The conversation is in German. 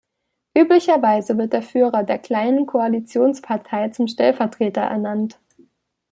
Üblicherweise wird der Führer der kleineren Koalitionspartei zum Stellvertreter ernannt.